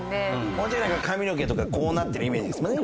もうちょいなんか髪の毛とかこうなってるイメージですもんね